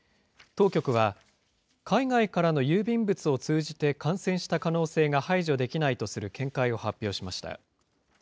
当局は、海外からの郵便物を通じて感染した可能性が排除できないとする見解を発表しました。